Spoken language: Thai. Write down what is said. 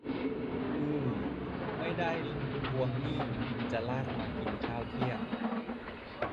ฮือ ไม่ได้ทวงหนี้ จะลากมากินข้าวเที่ยง